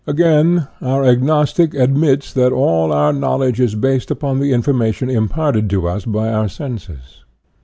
Again, our agnostic admits that all our knowl edge is based upon the information imparted to us by our senses.